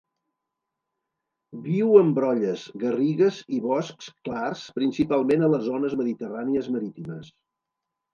Viu en brolles, garrigues i boscs clars principalment a les zones mediterrànies marítimes.